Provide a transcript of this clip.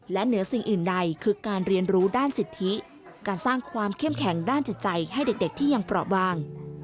และเหนือสิ่งอื่นใดคือการเรียนรู้ด้านสิทธิการสร้างความเข้มแข็งด้านจิตใจให้เด็กที่ยังเปราะบาง